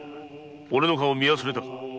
俺の顔を見忘れたか。